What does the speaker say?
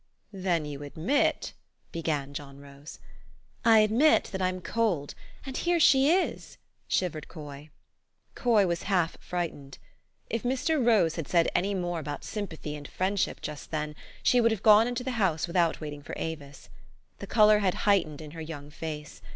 " Then you admit " began John Rose. " I admit that I'm cold, and here she is," shiv ered Coy. Coy was half frightened. If Mr. Rose had said anymore about sympathy and friendship just then, she would have gone into the house with out waiting for Avis. The color had heightened in her young face.